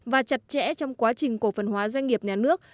và chặt chẽ trong quá trình cổ phần hóa doanh nghiệp nhà nước